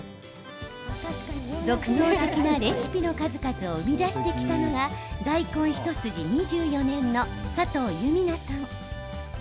独創的なレシピの数々を生み出してきたのが大根一筋２４年の佐藤祐実那さん。